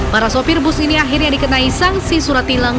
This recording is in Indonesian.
para sopir bus ini akhirnya dikenai sanksi surat tilang